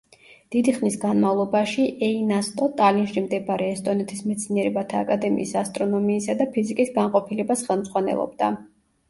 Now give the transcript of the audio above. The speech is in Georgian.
დიდი ხნის განმავლობაში, ეინასტო, ტალინში მდებარე ესტონეთის მეცნიერებათა აკადემიის ასტრონომიისა და ფიზიკის განყოფილებას ხელმძღვანელობდა.